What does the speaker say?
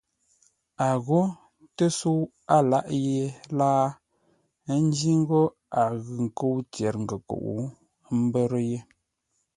A ghó tə́səu a láʼ yé láa ńjí ńgó a ghʉ nkə́u tyer-ngənkuʼu, ə́ mbə́rə́ yé.